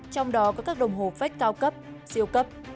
trong đó có các đồng hồ vách cao cấp siêu cấp